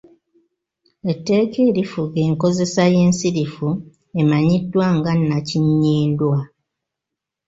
Etteeka erifuga enkozesa y’ensirifu emanyiddwa nga “nnakinnyindwa”.